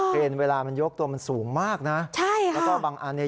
เครนเวลามันโยกตัวมันสูงมากนะแล้วก็บางอันใช่ค่ะ